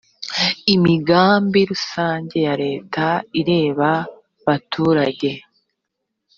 imigambi rusange ya leta ireba baturage .